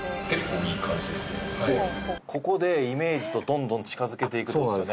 ここでイメージとどんどん近づけていくって事ですよね。